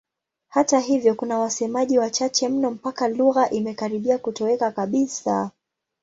Hata hivyo kuna wasemaji wachache mno mpaka lugha imekaribia kutoweka kabisa.